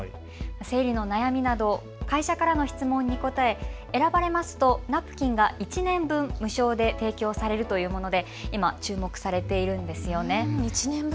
生理の悩みなど会社からの質問に答え、選ばれますとナプキンが１年分無償で提供されるというもので今、注目されているんです。